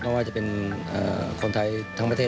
ว่าจะเป็นคนไทยทั้งประเทศ